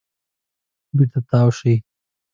بېرته تاو شئ .